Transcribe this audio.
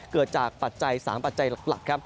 เกิดจากปัจจัย๓ปัจจัยหลักครับ